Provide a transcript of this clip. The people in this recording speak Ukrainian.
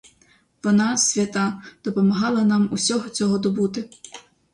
Вона, свята, допомагала нам усього цього добути.